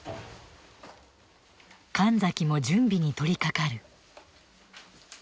神崎も準備に取りかかる。